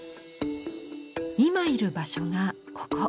今いる場所がここ。